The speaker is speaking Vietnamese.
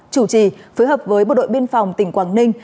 chủ trì phối hợp với bộ đội biên phòng tỉnh quảng ninh